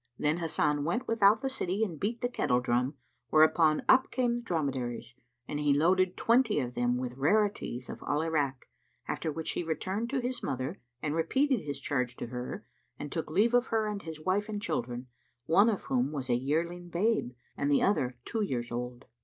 Then Hasan went without the city and beat the kettle drum, whereupon up came the dromedaries and he loaded twenty of them with rarities of Al Irak; after which he returned to his mother and repeated his charge to her and took leave of her and his wife and children, one of whom was a yearling babe and the other two years old.